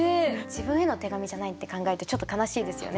自分への手紙じゃないって考えるとちょっと悲しいですよね。